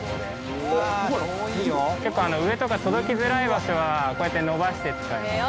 結構上とか届きづらい場所はこうやって伸ばして使います。